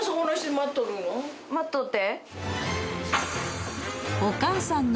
待っとって。